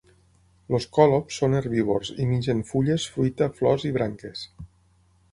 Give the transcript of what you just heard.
Els còlobs són herbívors i mengen fulles, fruita, flors i branques.